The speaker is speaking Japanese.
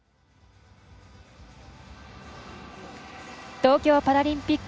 東京パラリンピック